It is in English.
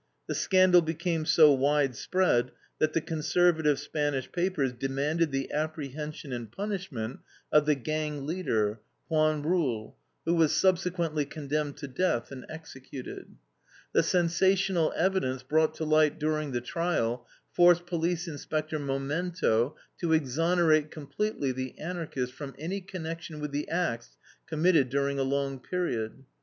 The scandal became so widespread that the conservative Spanish papers demanded the apprehension and punishment of the gang leader, Juan Rull, who was subsequently condemned to death and executed. The sensational evidence, brought to light during the trial, forced Police Inspector Momento to exonerate completely the Anarchists from any connection with the acts committed during a long period.